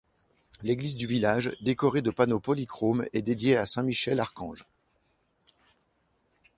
L'église du village, décoré de panneaux polychromes, est dédiée à Saint-Michel archange.